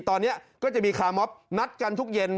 ตอนนี้ก็จะมีคาร์มอฟนัดกันทุกเย็น